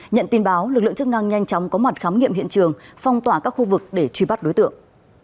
nhận tin báo lực lượng chức năng nhanh chóng có mặt khám nghiệm hiện trường phong tỏa các khu vực để truy bắt đối tượng